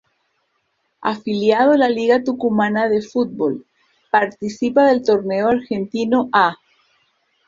Afiliado a la Liga Tucumana de Fútbol, participa del Torneo Argentino A..